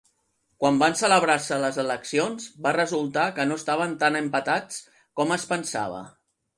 Quan van celebrar-se les eleccions, va resultar que no estaven tan empatats com es pensava.